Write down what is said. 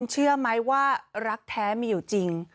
เชื่อไหมว่ารักแท้มีอยู่จริง